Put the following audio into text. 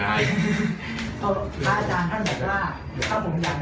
มีเงินส่งอาหารยาม๔ญบาท